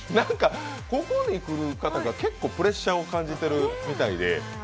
ここに来る方が結構プレッシャーを感じているみたいで。